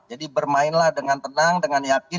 jadi bermainlah dengan tenang dengan yakin